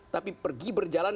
tapi pergi berjalan